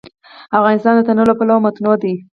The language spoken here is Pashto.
افغانستان د تنوع له پلوه متنوع دی.